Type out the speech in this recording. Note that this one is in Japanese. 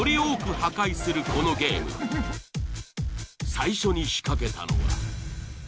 最初に仕掛けたのは。